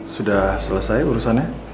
sudah selesai urusannya